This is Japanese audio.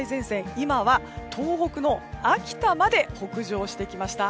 今は東北の秋田まで北上してきました。